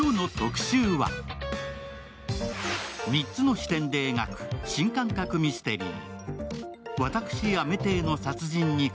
３つの視点で描く新感覚ミステリー。